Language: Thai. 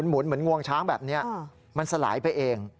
เหมือนงวงช้างแบบนี้มันสลายไปเอง